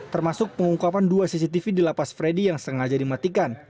termasuk pengungkapan dua cctv di lapas freddy yang sengaja dimatikan